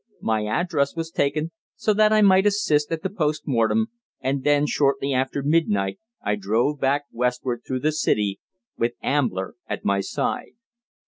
My address was taken, so that I might assist at the post mortem, and then, shortly after midnight I drove back westward through the City with Ambler at my side.